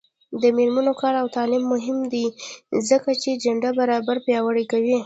د میرمنو کار او تعلیم مهم دی ځکه چې جنډر برابري پیاوړې کوي.